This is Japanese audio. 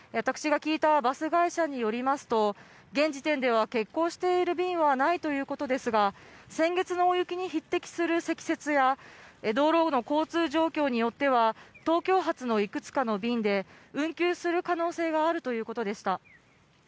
私が聞いたバス会社によりますと、現時点では欠航している便はないということですが、先月の大雪に匹敵する積雪や道路の交通状況によっては東京発のいくつかの便で、運休する可能性があるということでした。